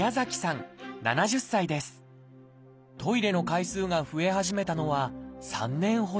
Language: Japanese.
トイレの回数が増え始めたのは３年ほど前。